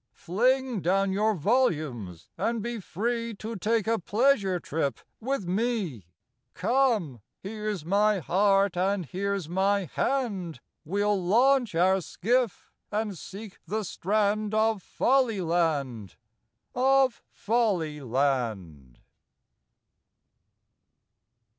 Fling down your volumes and be free To take a pleasure trip with me. Come, " Here 's my heart, and here 's my hand !" We 'll launch our skiff and seek the strand Of Folly land, of Folly land.